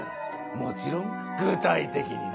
もちろん具体的にな。